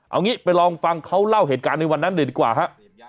เอางี้ไปลองฟังเขาเล่าเหตุการณ์ในวันนั้นเลยดีกว่าฮะ